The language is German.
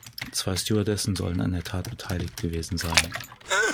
Zwei Stewardessen sollen an der Tat beteiligt gewesen sein.